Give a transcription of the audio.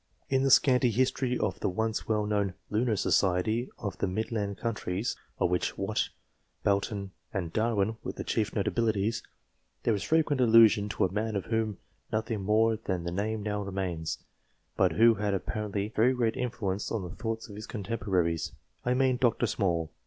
In the scanty history of the once well known " Lunar Society " of the Midland Counties of which Watt, Boulton, and Darwin were the chief notabilities there is frequent allusion to a man of whom nothing more than the name now remains, but who had apparently very great influence on the thoughts of his contemporaries I mean Dr. Small.